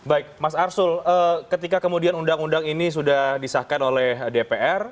baik mas arsul ketika kemudian undang undang ini sudah disahkan oleh dpr